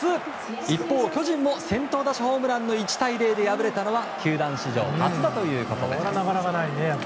一方、巨人も先頭打者ホームランの１対０で敗れたのは球団史上初だということです。